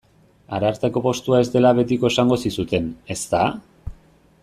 Ararteko postua ez dela betiko esango zizuten, ezta?